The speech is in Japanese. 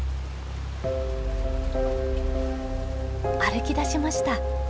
歩き出しました。